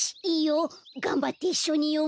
がんばっていっしょによもう。